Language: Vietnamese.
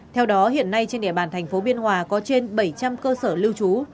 theo đó hiện nay trên địa bàn tp biên hòa có trên bảy trăm linh cơ sở lưu trú